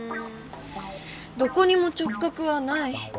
どこにも直角はない。